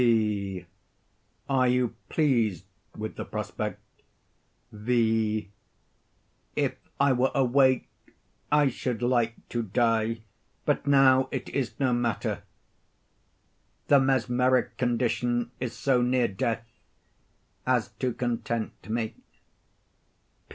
P. Are you pleased with the prospect? V. If I were awake I should like to die, but now it is no matter. The mesmeric condition is so near death as to content me.